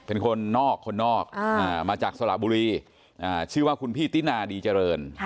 เป็นคนนอกคนนอกมาจากสระบุรีชื่อว่าคุณพี่ตินาดีเจริญ